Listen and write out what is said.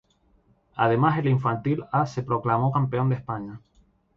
Además, el infantil A se proclamó campeón de España.